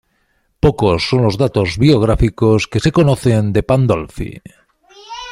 Pocos son los datos biográficos que se conocen de Pandolfi.